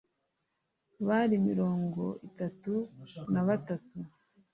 bari mirongo itatu na batatu